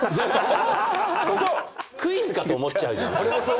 クイズかと思っちゃうじゃんね。